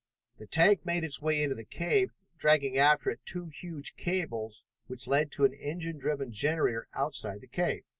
The tank made its way into the cave, dragging after it two huge cables which led to an engine driven generator outside the cave.